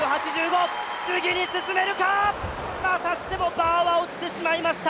またしてもバーは落ちてしまいました。